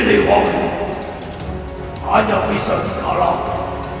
si wangi hanya bisa dikalahkan